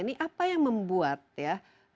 ini apa yang membuat ya